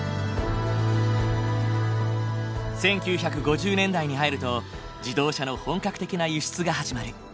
１９５０年代に入ると自動車の本格的な輸出が始まる。